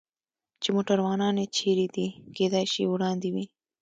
چې موټروانان یې چېرې دي؟ کېدای شي وړاندې وي.